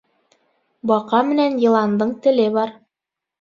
Баҡа менән йыландың теле бер.